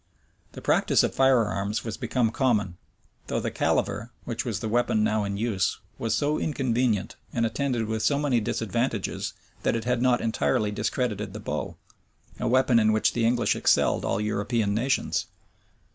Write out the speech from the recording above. The practice of firearms was become common; though the caliver, which was the weapon now in use, was so inconvenient, and attended with so many disadvantages, that it had not entirely discredited the bow, a weapon in which the English excelled all European nations.